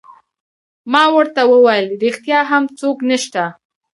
ما ورته وویل: ریښتیا هم څوک نشته؟